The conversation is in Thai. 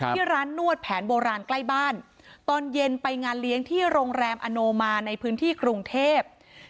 ที่ร้านนวดแผนโบราณใกล้บ้านตอนเย็นไปงานเลี้ยงที่โรงแรมอโนมาในพื้นที่กรุงเทพ